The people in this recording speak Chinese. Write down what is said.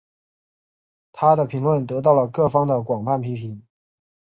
她的评论得到了各方的广泛批评。